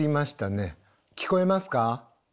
聞こえますか？